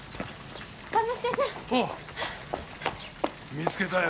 見つけたよ。